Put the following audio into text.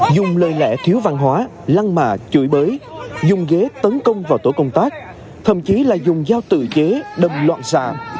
dùng lời lẽ thiếu văn hóa lăng mạ chửi bới dùng ghế tấn công vào tổ công tác thậm chí là dùng dao tự chế đâm loạn xạ